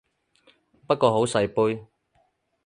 不過好細杯